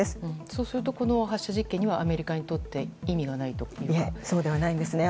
そうすると、この発射実験はアメリカにとってはそうではないんですね。